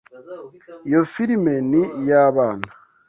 Iyo firime ni iy'abana.